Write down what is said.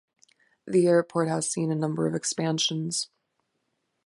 The airport has seen a number of expansions.